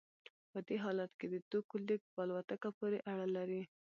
په دې حالت کې د توکو لیږد په الوتکه پورې اړه لري